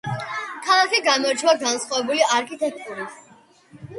ქალაქი გამოირჩევა განსხვავებული არქიტექტურით.